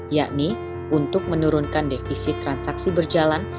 yakni untuk menurunkan defisit transaksi berjalan